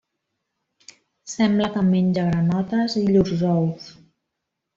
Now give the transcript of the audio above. Sembla que menja granotes i llurs ous.